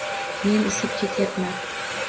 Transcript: Men isib ketayapman.